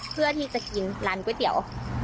เพื่อที่จะกินร้านก๋วยเตี๋ยว